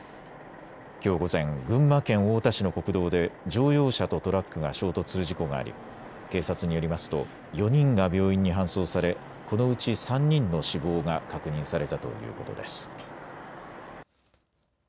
きょう午前、群馬県太田市の国道で乗用車とトラックが衝突する事故があり警察によりますと４人が病院に搬送され、このうち３人の死亡が確認されたということです。